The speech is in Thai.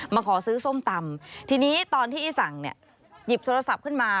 มาขอซื้อส้มตำทีนี้ตอนที่อีสั่งเนี่ยหยิบโทรศัพท์ขึ้นมา